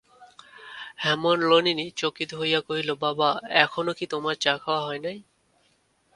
হেমনলিনী চকিত হইয়া কহিল, বাবা, এখনো কি তোমার চা খাওয়া হয় নাই?